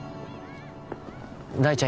大ちゃん